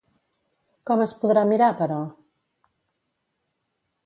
Com es podrà mirar, però?